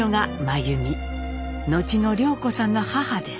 後の涼子さんの母です。